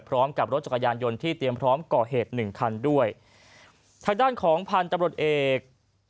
พร้อมกับรถจักรยานยนต์ที่เตรียมพร้อมก่อเหตุหนึ่งคันด้วยทางด้านของพันธุ์ตำรวจเอก